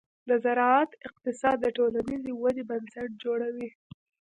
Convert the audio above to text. د زراعت اقتصاد د ټولنیزې ودې بنسټ جوړوي.